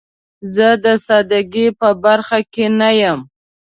زه د سادګۍ په برخه کې نه یم.